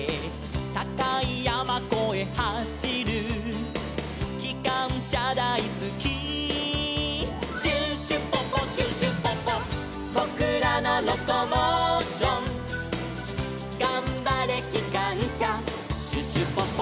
「たかいやまこえはしる」「きかんしゃだいすき」「シュシュポポシュシュポポ」「ぼくらのロコモーション」「がんばれきかんしゃシュシュポポ」